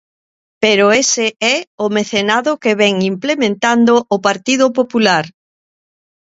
Pero ese é o mecenado que vén implementando o Partido Popular.